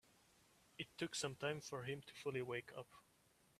It took some time for him to fully wake up.